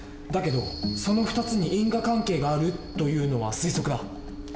だけどその２つに因果関係があるというのは推測だ。